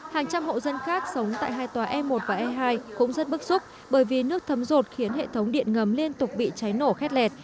hàng trăm hộ dân khác sống tại hai tòa e một và e hai cũng rất bức xúc bởi vì nước thấm rột khiến hệ thống điện ngầm liên tục bị cháy nổ khét lẹt